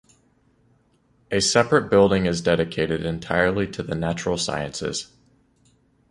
A separate building is dedicated entirely to the natural sciences.